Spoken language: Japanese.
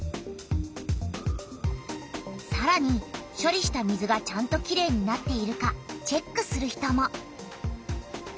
さらにしょりした水がちゃんときれいになっているかチェックする人も。